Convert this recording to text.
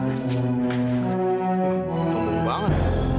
wah kamu banget